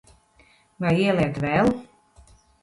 Vai ieliet vēl?